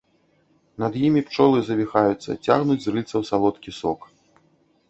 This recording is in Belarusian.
Над імі пчолы завіхаюцца, цягнуць з рыльцаў салодкі сок.